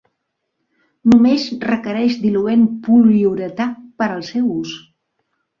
Només requereix diluent poliuretà per al seu ús.